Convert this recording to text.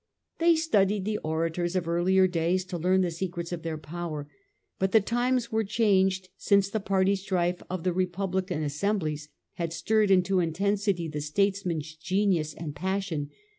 They studied the orators of earlier days to learn the secrets of their power ; but the times were changed since the party strife of the republican assemblies had stirred into intensity the statesman's genius and passion.